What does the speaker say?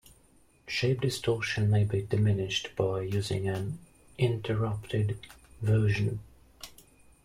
Shape distortion may be diminished by using an "interrupted" version.